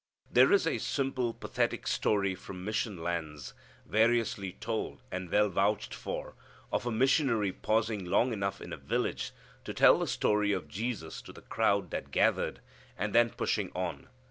There is a simple, pathetic story from mission lands, variously told, and well vouched for, of a missionary pausing long enough in a village to tell the story of Jesus to the crowd that gathered, and then pushing on.